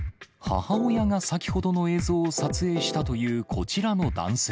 母親が先ほどの映像を撮影したというこちらの男性。